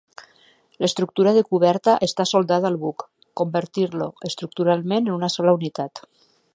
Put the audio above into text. L'estructura de coberta està soldada al buc, convertint-lo estructuralment en una sola unitat.